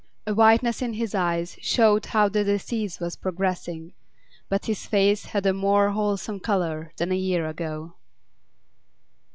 A whiteness in his eyes showed how the disease was progressing, but his face had a more wholesome colour than a year ago.